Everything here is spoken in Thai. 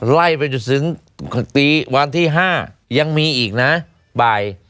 ไล่ไปจนถึงตีวันที่๕ยังมีอีกนะบ่าย